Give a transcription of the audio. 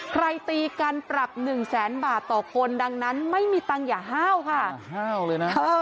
ใครตีกันปรับหนึ่งแสนบาทต่อคนดังนั้นไม่มีตังค์อย่าห้าวค่ะ